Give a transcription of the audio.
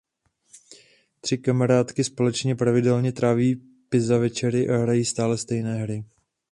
Tři kamarádky společně pravidelně tráví pizza večery a hrají stále stejné hry.